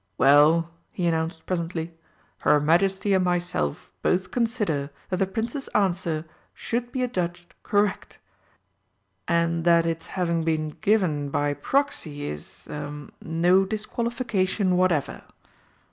"Well," he announced presently, "her Majesty and myself both consider that the Prince's answer should be adjudged correct, and that its having been given by proxy is ah no disqualification whatever.